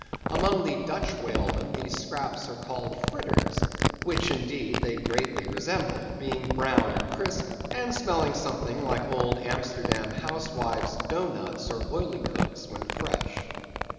Among the Dutch whalemen these scraps are called "fritters"; which, indeed, they greatly resemble, being brown and crisp, and smelling something like old Amsterdam housewives' dough nuts or oly cooks, when fresh.